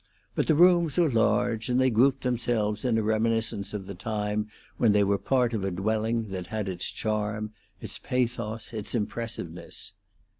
But the rooms were large, and they grouped themselves in a reminiscence of the time when they were part of a dwelling that had its charm, its pathos, its impressiveness.